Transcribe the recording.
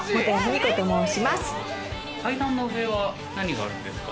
階段の上は何があるんですか？